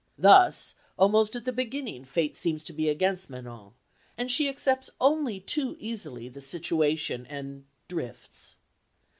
Thus almost at the beginning Fate seems to be against Manon, and she accepts only too easily the situation and drifts.